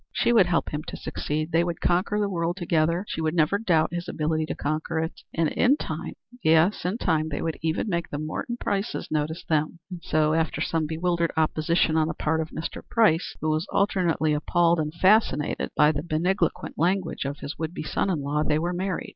She would help him to succeed; they would conquer the world together; she would never doubt his ability to conquer it. And in time yes, in time they would make even the Morton Prices notice them. And so after some bewildered opposition on the part of Mr. Price, who was alternately appalled and fascinated by the magniloquent language of his would be son in law, they were married.